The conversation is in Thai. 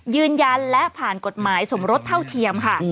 ยืนยันและผ่านกฎหมายสมรสเท่าเทียมค่ะ